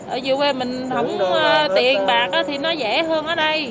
ở vô quê mình không tiền bạc thì nó dễ hơn ở đây